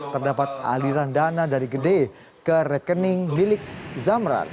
terdapat aliran dana dari gede ke rekening milik zamran